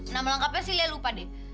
nama lengkapnya sih liat lupa deh